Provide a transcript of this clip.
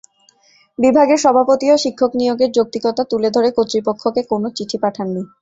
বিভাগের সভাপতিও শিক্ষক নিয়োগের যৌক্তিকতা তুলে ধরে কর্তৃপক্ষকে কোনো চিঠি পাঠাননি।